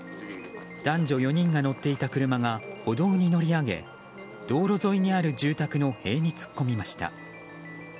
男女４人が乗っていた車が歩道に乗り上げ道路沿いにある住宅の塀に突っ込みました。